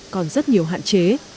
còn rất nhiều hạn chế